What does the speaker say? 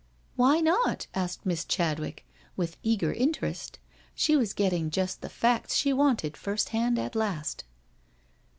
"Why not?" asked Miss Chadwick, with eager in terest. She was getting just the facts she wanted first hand at last.